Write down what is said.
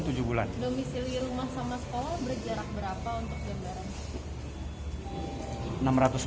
domisili rumah sama sekolah berjarak berapa untuk jajaran